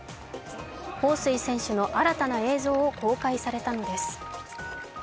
彭帥選手の新たな映像が公開されたのです。